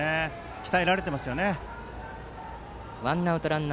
鍛えられていますよね。